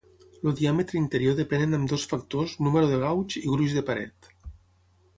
El diàmetre interior depén en ambdós factors número de gauge i gruix de paret.